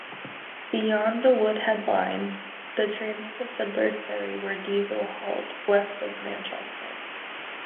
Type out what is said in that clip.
Beyond the Woodhead Line, the trains to Fiddlers Ferry were diesel-hauled west of Manchester.